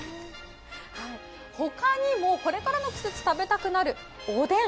他にもこれからの季節食べたくなるおでん。